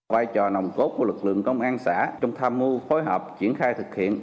vai trò nồng cốt của lực lượng công an xã trong tham mưu phối hợp triển khai thực hiện